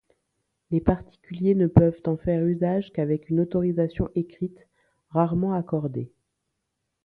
Les particuliers ne peuvent en faire usage qu’avec une autorisation écrite, rarement accordée.